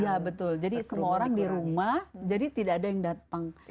iya betul jadi semua orang di rumah jadi tidak ada yang datang